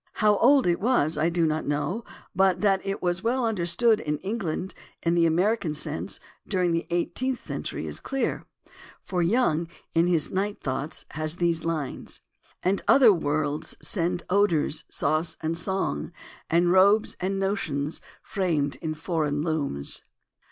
How old it was I do not know, but that it was well understood in England in the American sense during the eighteenth century is clear, for Young in his Night Thoughts (Book II) has these Hnes :" And other worlds send odours, sauce and song, And robes and notions framed in foreign looms